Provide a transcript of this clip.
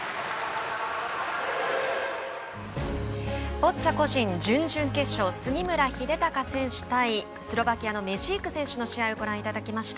ボッチャ個人、準々決勝杉村英孝選手対スロバキアメジーク選手の試合をご覧いただきました。